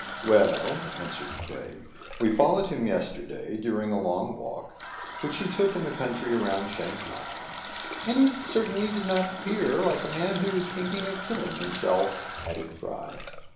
" Well," answered Craig, "we followed him yes terday during a long walk which he took in the country around Shang hai "— "And he certainly did not appear like a man who is thinking of killing himself,'* added Fry.